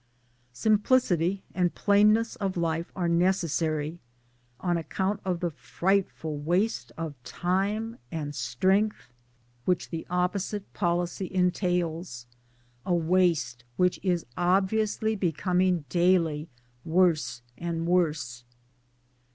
Simplicity and plainness of life are necessary, on account of the frightful waste of time and strength 1 66 MY DAYS AND DREAMS which the opposite policy entails a waste which is obviously becoming daily worse and worse.